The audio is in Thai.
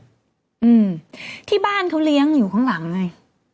อืมที่บ้านเขาเลี้ยงอยู่ข้างหลังไง